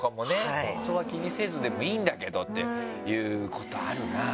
本当は気にせずでもいいんだけどっていうことあるな。